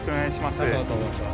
佐藤と申します。